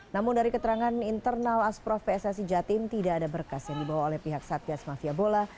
namun dari keterangan internal asprof pssi jatim tidak ada berkas yang dibawa oleh pihak satgas mafia bola